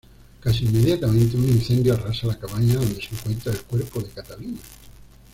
Casi inmediatamente un incendio arrasa la cabaña donde se encuentra el cuerpo de Catalina.